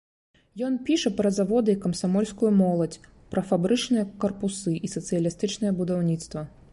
Ён піша пра заводы і камсамольскую моладзь, пра фабрычныя карпусы і сацыялістычнае будаўніцтва.